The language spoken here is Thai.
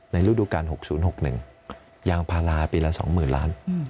ในรูดุการณ์๖๐๖๑ยางภาราปีละสองหมื่นล้าน